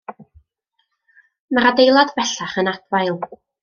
Mae'r adeilad bellach yn adfail.